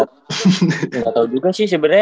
gak tau juga sih sebenernya